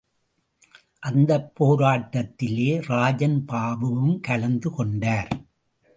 அந்தப் போராட்டத்திலே ராஜன் பாபுவும் கலந்து கொண்டார்.